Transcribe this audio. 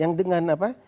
yang dengan apa